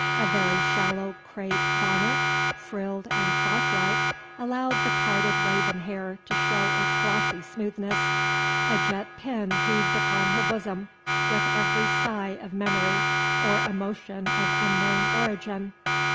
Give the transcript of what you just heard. A very shallow crape bonnet, frilled and froth like, allowed the parted raven hair to show its glossy smoothness. A jet pin heaved upon her bosom with every sigh of memory, or emotion of unknown origin.